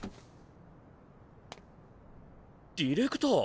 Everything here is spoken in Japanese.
ディレクター。